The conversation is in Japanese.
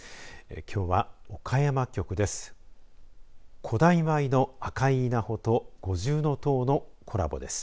きょうは岡山局です。